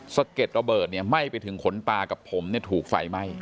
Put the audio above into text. สะเก็ดระเบิดไหม้ไปถึงขนตากับผมถูกไฟไหม้